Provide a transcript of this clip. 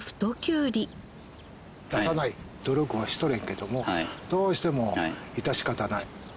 出さない努力はしとるんやけれどもどうしても致し方ない。